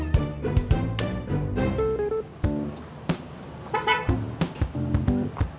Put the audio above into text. bangketi bangketi bangketi